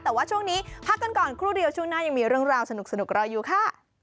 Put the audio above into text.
แต่ว่าช่วงนี้พักกันก่อนครู่เดียวช่วงหน้ายังมีเรื่องราวสนุกรออยู่ค่ะ